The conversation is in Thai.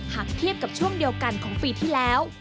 หากเทียบกับช่วงเดียวกันของปีที่แล้ว